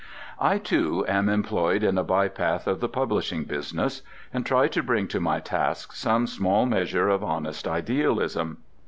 I, too, am employed in a bypath of the publishing business, and try to bring to my tasks some small measure of honest idealism.